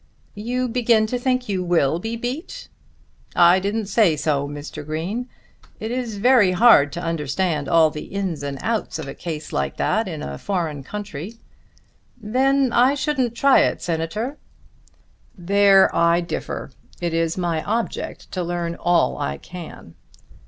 "You begin to think you will be beat?" "I didn't say so, Mr. Green. It is very hard to understand all the ins and outs of a case like that in a foreign country." "Then I shouldn't try it, Senator." "There I differ. It is my object to learn all I can."